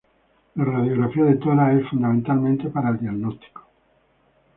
La radiografía de tórax es fundamental para el diagnóstico.